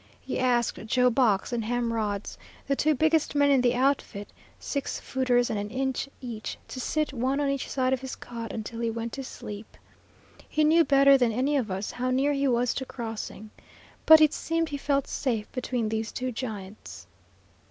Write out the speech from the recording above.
He asked Joe Box and Ham Rhodes, the two biggest men in the outfit, six footers and an inch each, to sit one on each side of his cot until he went to sleep. He knew better than any of us how near he was to crossing. But it seemed he felt safe between these two giants.